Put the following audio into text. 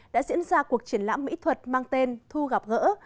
đã diễn ra cuộc triển lãm mỹ thuật mang tên thu gặp gỡ